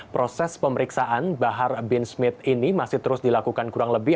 proses pemeriksaan bahar bin smith ini masih terus dilakukan kurang lebih